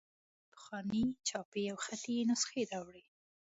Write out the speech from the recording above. دوی پخوانۍ چاپي او خطي نسخې راوړي.